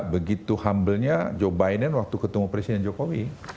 begitu humble nya joe biden waktu ketemu presiden jokowi